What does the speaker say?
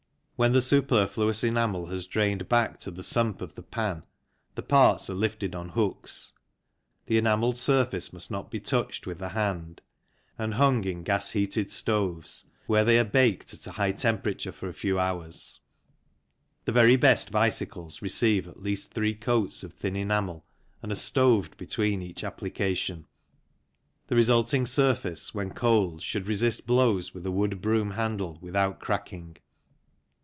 When the superfluous enamel has drained back to the sump of the pan the parts are lifted on hooks (the enamelled surface must not be touched with the hand) and hung in gas heated stoves, where they are baked at a high temperature for a few hours. The very best bicycles receive at least three coats of thin enamel and are stoved between each application. The resulting surface, when cold, should resist blows with a wood broom handle without cracking.